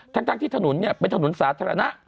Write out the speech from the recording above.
ทั้งที่ถนนเป็นถนนสาธารณะ